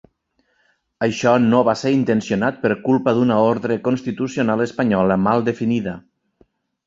Això no va ser intencionat per culpa d'una ordre constitucional espanyola mal definida.